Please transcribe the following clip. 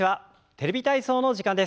「テレビ体操」の時間です。